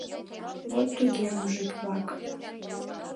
— Вот туге, мужик-влак.